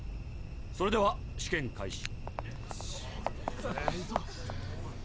それでは試験開始。